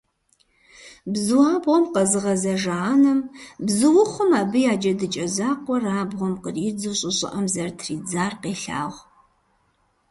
Бзуабгъуэм къэзыгъэзэжа анэм, бзуухъум абы я джэдыкӀэ закъуэр абгъуэм къридзу щӀы щӀыӀэм зэрытридзар къелъагъу.